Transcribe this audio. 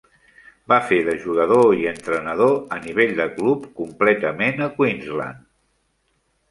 Va fer de jugador i entrenador a nivell de club completament a Queensland.